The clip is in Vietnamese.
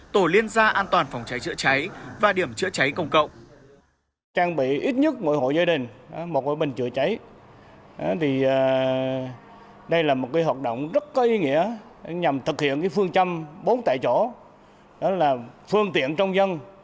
tổ liên gia an toàn phòng cháy chữa cháy và điểm chữa cháy công cộng